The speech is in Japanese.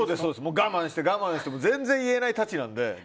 我慢して、我慢して全然言えないたちなんで。